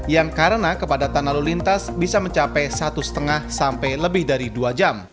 yang karena kepadatan lalu lintas bisa mencapai satu lima sampai lebih dari dua jam